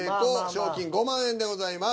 賞金５万円でございます。